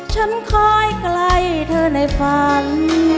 ฉันคอยไกลเธอในฝัน